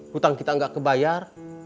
hutang kita tidak terbayar